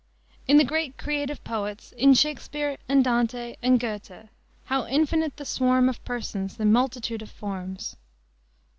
In the great creative poets, in Shakespere and Dante and Goethe, how infinite the swarm of persons, the multitude of forms!